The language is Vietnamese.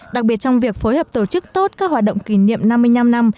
đặc biệt trong việc phối hợp tổ chức tốt các hoạt động kỷ niệm năm mươi năm năm